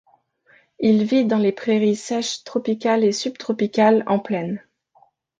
Il vit dans les prairies sèches tropicales et subtropicales en plaine.